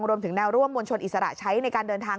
รวมถึงแนวร่วมมวลชนอิสระใช้ในการเดินทาง